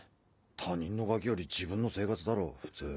他人のガキより自分の生活だろ普通。